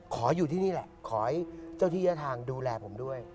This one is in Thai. ขออยู่ที่นี่แหละขอให้เจ้าที่ยะทางดูแลผมด้วย